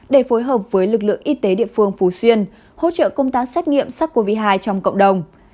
để phối hợp với lực lượng y tế địa phương phú xuyên hỗ trợ công tác xét nghiệm sars cov hai trong cộng đồng